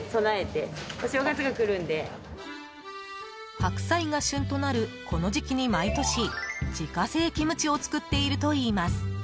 白菜が旬となるこの時期に毎年、自家製キムチを作っているといいます。